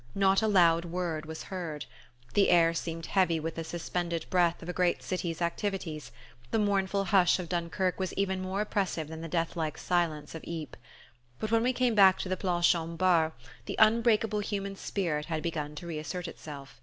Not a loud word was heard. The air seemed heavy with the suspended breath of a great city's activities: the mournful hush of Dunkerque was even more oppressive than the death silence of Ypres. But when we came back to the Place Jean Bart the unbreakable human spirit had begun to reassert itself.